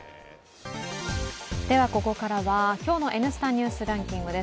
ではここからは今日の「Ｎスタ・ニュースランキング」です。